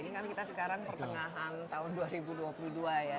ini kan kita sekarang pertengahan tahun dua ribu dua puluh dua ya